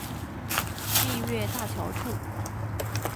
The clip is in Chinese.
蜜月大桥处。